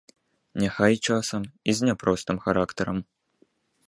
Няхай часам і з няпростым характарам.